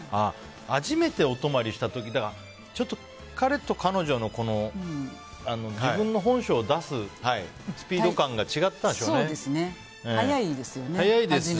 初めてお泊まりした時だから彼と彼女の自分の本性を出すスピード感が早いですよね。